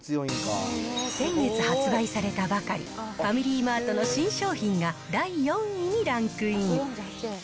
先月発売されたばかり、ファミリーマートの新商品が第４位にランクイン。